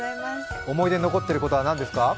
思い出に残っていることは何ですか。